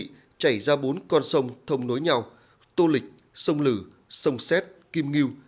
nước thải qua hệ thống cống mương đô thịt chảy ra bốn con sông thông nối nhau tô lịch sông lử sông xét kim nghiêu